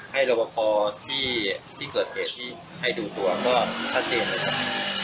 ให้รวมพอที่เกิดเหตุที่ใครดูตัวก็ชัดเจนเลยครับ